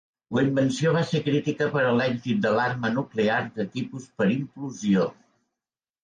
La invenció va ser crítica per a l'èxit de l'arma nuclear de tipus per implosió.